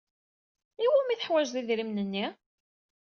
I wumi ay teḥwajeḍ idrimen-nni?